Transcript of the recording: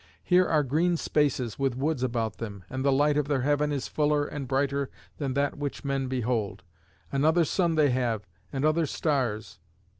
Here are green spaces, with woods about them; and the light of their heaven is fuller and brighter than that which men behold. Another sun they have and other stars.